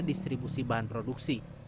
distribusi bahan produksi